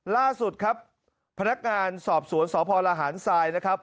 ล่าสุดครับพนักงานสอบสวนสพลหารทรายนะครับ